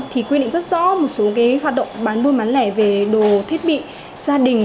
thì quy định rất rõ một số hoạt động bán buôn bán lẻ về đồ thiết bị gia đình